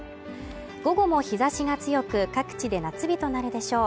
午後も日差しが強く、各地で夏日となるでしょう。